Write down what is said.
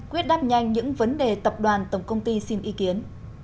quyết đáp nhanh những vấn đề tập đoàn tổng công ty xin ý kiến